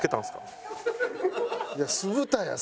いや酢豚や。